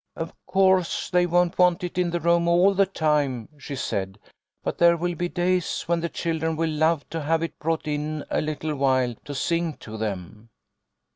" Of course they won't want it in the room all the time," she said, "but there will be days when the children will love to have it brought in a little while to sing to them."